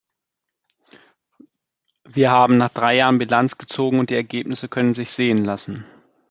Wir haben nach drei Jahren Bilanz gezogen und die Ergebnisse können sich sehen lassen.